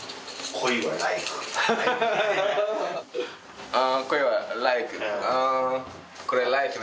恋はライク。